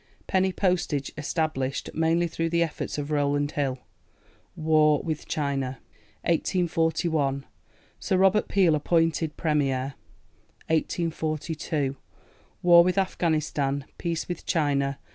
PENNY POSTAGE ESTABLISHED mainly through the efforts of Rowland Hill. War with China. 1841. Sir Robert Peel appointed Premier. 1842. War with Afghanistan. Peace with China.